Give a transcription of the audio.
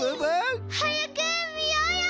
はやくみようよ！